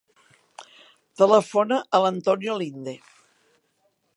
Telefona a l'Antonio Linde.